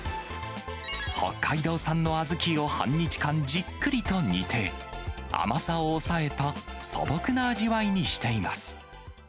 北海道産の小豆を半日間じっくりと煮て、甘さを抑えた素朴な味わいにしています。